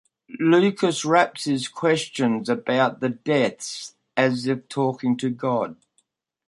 Lucas raps his questions about the deaths as if talking to God.